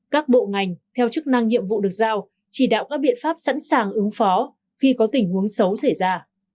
các bộ ngành theo chức năng nhiệm vụ được giao chỉ đạo các biện pháp sẵn sàng ứng phó khi có tình huống xấu xảy ra